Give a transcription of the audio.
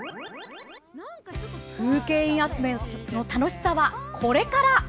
風景印集めの楽しさはこれから。